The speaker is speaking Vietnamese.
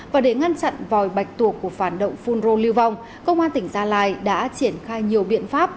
và để ngăn chặn vòi bạch tuộc của phản động phun rô lưu vong công an tỉnh gia lai đã triển khai nhiều biện pháp